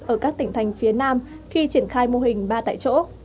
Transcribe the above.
ở các tỉnh thành phía nam khi triển khai mô hình ba tại chỗ